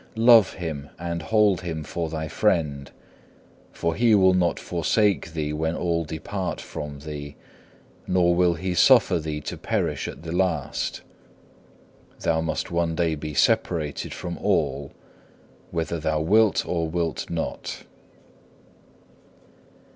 Love Him and hold Him for thy friend, for He will not forsake thee when all depart from thee, nor will he suffer thee to perish at the last. Thou must one day be separated from all, whether thou wilt or wilt not.